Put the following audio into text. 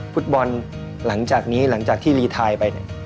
ฟุตบอลหลังจากนี้หลังจากที่รีไทยไป